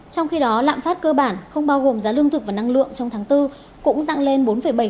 trong khi đó lạm phát cơ bản không bao gồm giá lương thực và năng lượng trong tháng bốn cũng tăng lên bốn bảy